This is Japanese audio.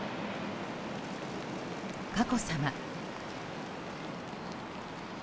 佳子さま。